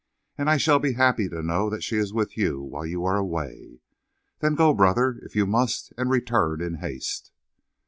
And I shall be happy to know that she is with you while you are away. Then go, brother, if you must, and return in haste."